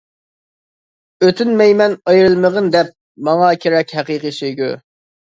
ئۆتۈنمەيمەن ئايرىلمىغىن دەپ، ماڭا كېرەك ھەققى سۆيگۈ.